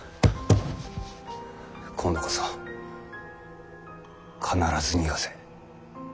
今度こそ必ず逃がせ。